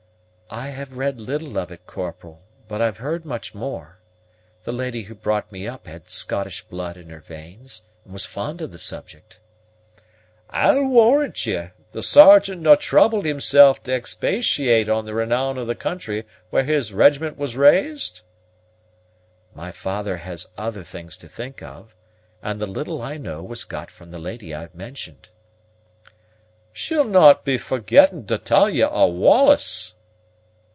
"I have read a little of it, Corporal, but I've heard much more. The lady who brought me up had Scottish blood in her veins, and was fond of the subject." "I'll warrant ye, the Sergeant no' troubled himself to expatiate on the renown of the country where his regiment was raised?" "My father has other things to think of, and the little I know was got from the lady I have mentioned." "She'll no' be forgetting to tall ye o' Wallace?"